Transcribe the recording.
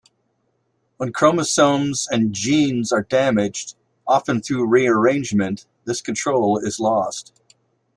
When chromosomes and genes are damaged, often through rearrangement, this control is lost.